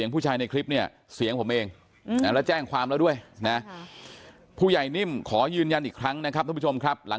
ผู้ใหญ่นิ่มขอยืนยันอีกครั้งนะครับรับผู้ชมครับ